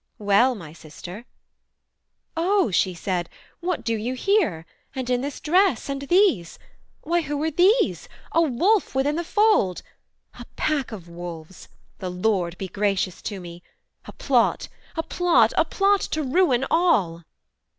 'Well, my sister.' 'O,' she said, 'What do you here? and in this dress? and these? Why who are these? a wolf within the fold! A pack of wolves! the Lord be gracious to me! A plot, a plot, a plot to ruin all!'